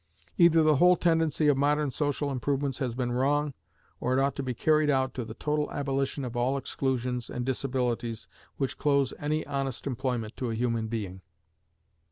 Either the whole tendency of modern social improvements has been wrong, or it ought to be carried out to the total abolition of all exclusions and disabilities which close any honest employment to a human being.